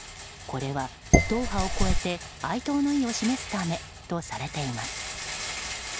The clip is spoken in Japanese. これは党派を超えて哀悼の意を示すためとされています。